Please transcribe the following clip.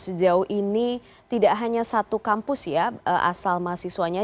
sejauh ini tidak hanya satu kampus ya asal mahasiswanya